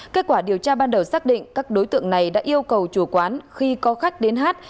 kết quả điều tra ban đầu xác định các đối tượng này đã yêu cầu chủ quán khi có khách đến hát